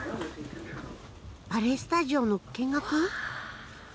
バレエスタジオの見学？